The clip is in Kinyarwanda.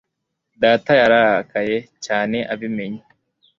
Data yararakaye cyane abimenye